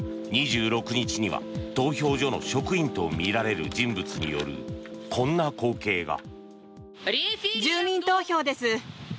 ２６日には投票所の職員とみられる人物によるこんな光景が。